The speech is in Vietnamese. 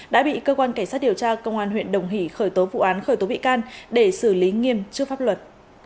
đã bị cơ quan cảnh sát điều tra công an huyện đồng hỷ khởi tố vụ án khởi tố bị can để xử lý nghiêm trước pháp luật